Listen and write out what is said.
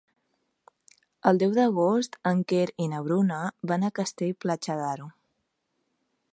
El deu d'agost en Quer i na Bruna van a Castell-Platja d'Aro.